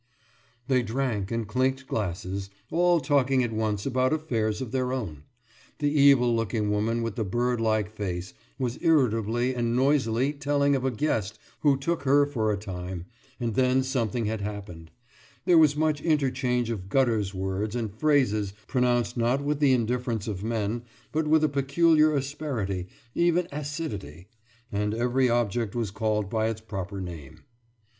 « They drank and clinked glasses, all talking at once about affairs of their own. The evil looking woman with the bird like face was irritably and noisily telling of a guest who took her for a time ... and then something had happened. There was much interchange of gutterswords and phrases, pronounced not with the indifference of men, but with a peculiar asperity, even acidity; and every object was called by its proper name.